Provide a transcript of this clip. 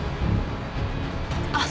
あっ。